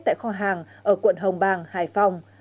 tại kho hàng ở quận hồng bàng hải phòng